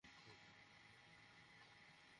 আমি বলছি, এই কুকুরকে প্রতিযোগিতায় নামতেও দেয়া হবে না।